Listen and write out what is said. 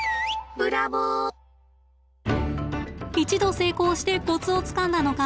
一度成功してコツをつかんだのか